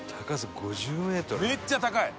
めっちゃ高い！